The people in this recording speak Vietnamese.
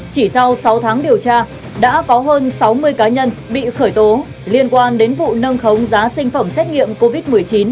chỉ sau sáu tháng điều tra đã có hơn sáu mươi cá nhân bị khởi tố liên quan đến vụ nâng khống giá sinh phẩm xét nghiệm covid một mươi chín